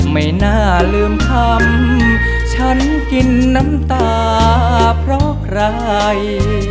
ไม่น่าลืมทำฉันกินน้ำตาเพราะใคร